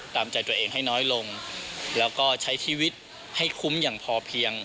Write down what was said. ตามใจตัวเองให้น้อยลงแล้วก็ใช้ชีวิตให้คุ้มอย่างพอเพียง